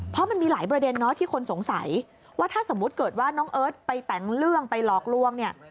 เพราะมันมีหลายประเด็นเนาะที่คนสงสัยว่าถ้าสมมุติเกิดว่าน้องเอิร์ทไปแต่งเรื่องไปหลอกลวงเนี่ย